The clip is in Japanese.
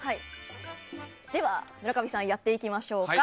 では、村上さんやっていきましょうか。